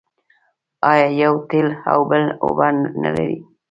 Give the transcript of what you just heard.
آیا یوه تېل او بل اوبه نلري؟